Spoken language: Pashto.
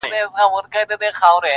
• له اسمانه مي راغلی بیرغ غواړم -